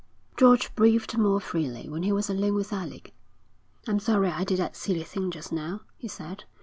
George breathed more freely when he was alone with Alec. 'I'm sorry I did that silly thing just now,' he said.